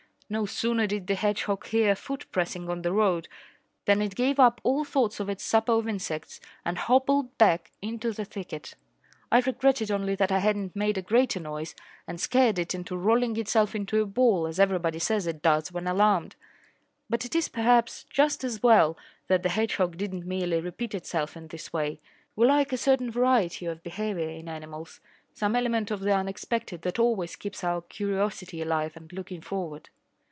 No sooner did the hedgehog hear a foot pressing on the road than it gave up all thoughts of its supper of insects and hobbled back into the thicket. I regretted only that I had not made a greater noise, and scared it into rolling itself into a ball, as everybody says it does when alarmed. But it is perhaps just as well that the hedgehog did not merely repeat itself in this way. We like a certain variety of behaviour in animals some element of the unexpected that always keeps our curiosity alive and looking forward.